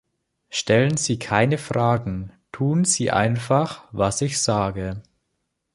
Stellen Sie keine Fragen, tun Sie einfach, was ich sage.